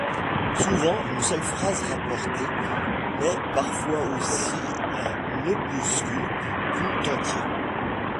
Souvent une seule phrase rapportée mais parfois aussi un opuscule tout entier.